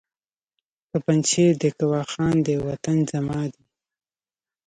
که پنجشېر دی که واخان دی وطن زما دی